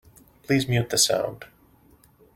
Please mute the sound.